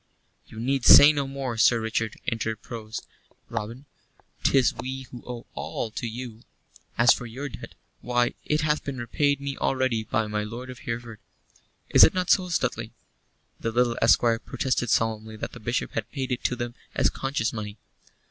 "You need say no more, Sir Richard," interposed Robin. "'Tis we who owe all to you. As for your debt, why, it hath been repaid me already by my lord of Hereford. Is it not so, Stuteley?" The little esquire protested solemnly that the Bishop had paid it to them as conscience money.